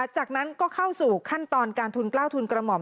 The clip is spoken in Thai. จากนั้นก็เข้าสู่ขั้นตอนการทุนกล้าวทุนกระหม่อม